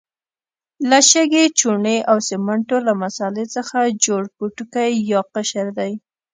له شګې، چونې او سمنټو له مسالې څخه جوړ پوټکی یا قشر دی.